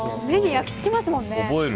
目に焼きつきますもんね。